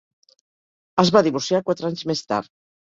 Es va divorciar quatre anys més tard.